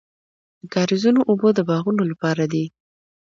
د کاریزونو اوبه د باغونو لپاره دي.